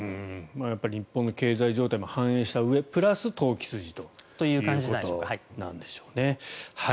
やっぱり日本の経済状況も反映したうえプラス投機筋ということなんでしょうね。